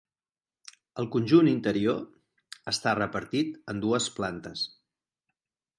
El conjunt interior està repartit en dues plantes.